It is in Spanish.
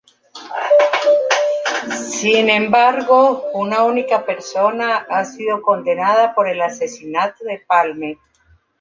Sin embargo, una única persona ha sido condenada por el asesinato de Palme.